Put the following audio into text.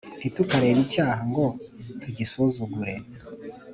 Ntitukarebe icyaha ngo tugisuzugure,